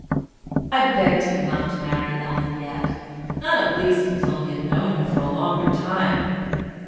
I begged him not to marry Ellen yet—not at least until he had known her for a longer time.